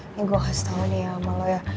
ini gue kasih tau nih ya sama lo ya